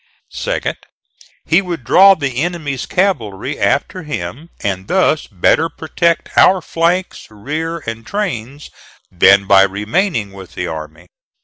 Second, he would draw the enemy's cavalry after him, and thus better protect our flanks, rear and trains than by remaining with the army.